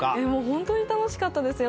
本当に楽しかったです。